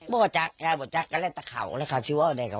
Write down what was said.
บอกได้แล้วแยกบอกว่อ่ะที่เค้าก็แค่ใดหอศพ